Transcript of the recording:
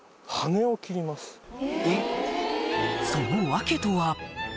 その訳とは？